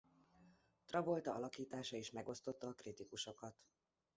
Travolta alakítása is megosztotta a kritikusokat.